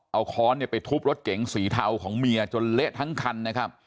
เอาค้อนเนี่ยไปทุบรถเก๋งสีเทาของเมียจนเละทั้งคันนะครับ